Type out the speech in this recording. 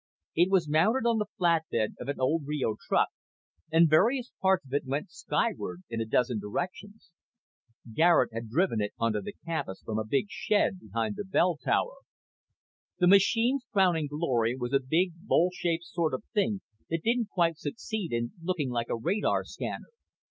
It was mounted on the flat bed of an old Reo truck, and various parts of it went skyward in a dozen directions. Garet had driven it onto the campus from a big shed behind the bell tower. The machine's crowning glory was a big bowl shaped sort of thing that didn't quite succeed in looking like a radar scanner.